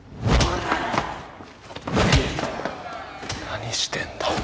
何してんだよ。